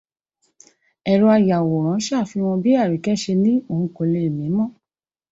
Ẹ̀rọ ayàwòrán ṣàfihàn bí Àríkẹ́ ṣe ni òun kò le mí mọ́.